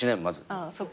まず。